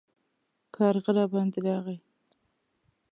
کارغه راباندې راغی